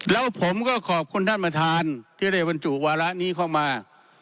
แล้วผมก็ขอบคุณท่านประธานที่ได้บรรจุวาระนี้เข้ามา